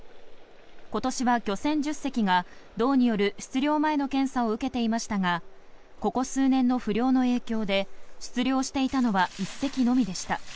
今年は漁船１０隻が漁による出漁前の検査を受けていましたがここ数年の不漁の影響で出漁していたのは１隻のみでした。